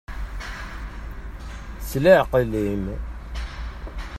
S leɛqel-im.